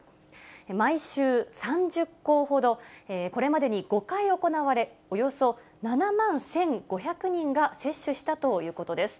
毎週３０校ほど、これまでに５回行われ、およそ７万１５００人が接種したということです。